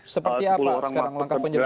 seperti apa sekarang langkah penyelidikan